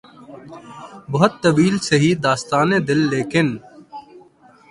بہت طویل سہی داستانِ دل ، لیکن